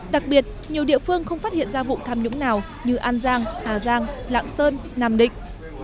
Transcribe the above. đặc biệt nhiều địa phương không phát hiện ra vụ tham nhũng nào như an giang hà giang lạng sơn nam định